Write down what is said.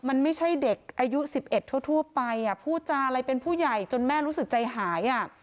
มันไม่ใช่เด็กอายุสิบเอ็ดทั่วทั่วไปอ่ะผู้จาอะไรเป็นผู้ใหญ่จนแม่รู้สึกใจหายอ่ะ